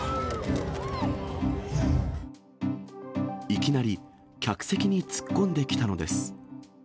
いきなり客席に突っ込んできたのです。